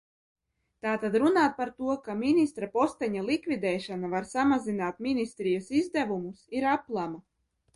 Tātad runāt par to, ka ministra posteņa likvidēšana var samazināt ministrijas izdevumus, ir aplama.